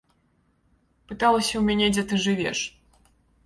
Пыталася ў мяне, дзе ты жывеш.